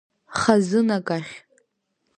Хазынак ахь!